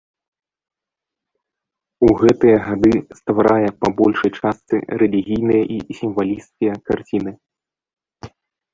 У гэтыя гады стварае па большай частцы рэлігійныя і сімвалісцкія карціны.